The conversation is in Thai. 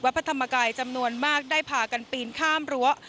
พระธรรมกายจำนวนมากได้พากันปีนข้ามรั้ว